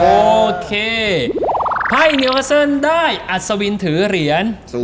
โอเคไพ่เนอร์เซินได้อัศวินถือเหรียญ